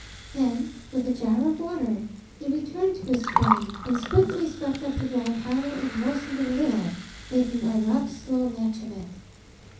Then, with a jar of water, he returned to his train, and swiftly swept up the dry powder and moistened it a little, making a rough slow match of it.